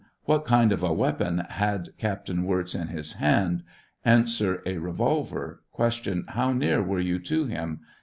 What kind of a weapon had Captain Wirz in his hand ? A. A revolver. Q. How near were you to him?